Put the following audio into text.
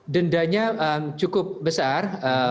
dendanya cukup besar